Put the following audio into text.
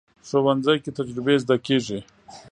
ښوونځی کې تجربې زده کېږي